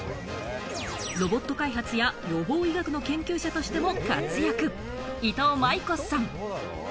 ロボット開発や予防医学の研究者としても活躍、いとうまい子さん。